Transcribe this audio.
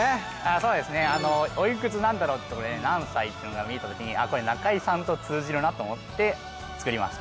そうですねおいくつなんだろうってとこで何歳っていうのが見えた時に「なかいさん」と通じるなと思って作りました